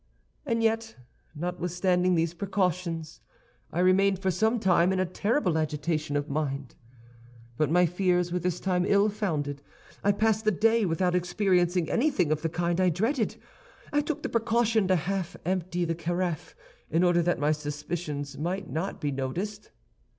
"And yet, notwithstanding these precautions, I remained for some time in a terrible agitation of mind. But my fears were this time ill founded; I passed the day without experiencing anything of the kind I dreaded. "I took the precaution to half empty the carafe, in order that my suspicions might not be noticed.